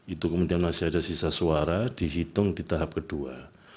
itu kemudian masih ada sisa suara dihitung di tahap kedua